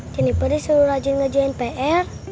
jeniper disuruh rajin ngerjain pr